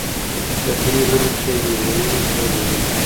د دندې له مخې نیورونونه درې ډوله دي.